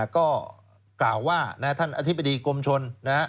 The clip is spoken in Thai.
ก็กล่าวว่าท่านอธิบดีกรมชน